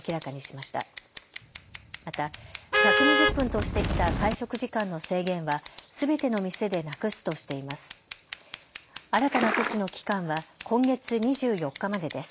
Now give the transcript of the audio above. また１２０分としてきた会食時間の制限はすべての店でなくすとしています。